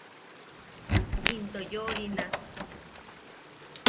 Into yoʼorina.